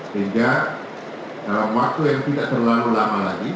sehingga dalam waktu yang tidak terlalu lama lagi